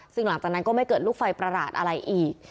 ซึ่งหลังจากนั้นก็ไม่เกิดลูกไฟประหลาดอะไรอีก